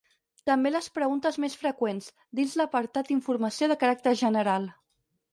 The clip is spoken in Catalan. També les preguntes més freqüents, dins l'apartat Informació de caràcter general.